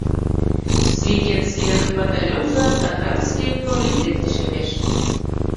— Свитецкийын батальонжо Татарский пролив дек лишемеш.